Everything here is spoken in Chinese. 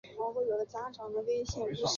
他也代表冰岛国家足球队参赛。